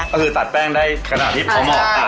ก็คือตัดแป้งได้ขนาดที่เขาเหมาะ